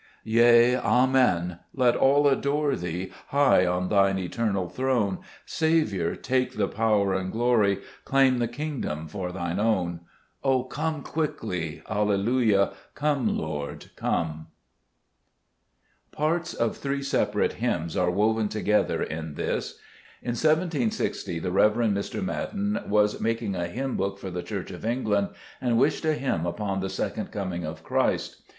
Yea, Amen ! let all adore Thee, High on Thine eternal throne : Saviour, take the power and glory ; Claim the kingdom for Thine own O come quickly ; Alleluia ! come, Lord, come. Zbe JSest Cburcb IBgmns. Parts of three separate hymns are woven together in this. In 1760 the Rev. Mr. Madan was making a hymn book for the Church of England, and wished a hymn upon the second coming of Christ.